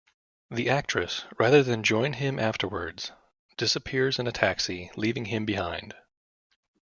The Actress, rather than join him afterwards, disappears in a taxi, leaving him behind.